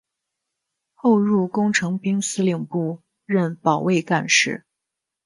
后入工程兵司令部任保卫干事。